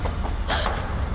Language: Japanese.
あっ。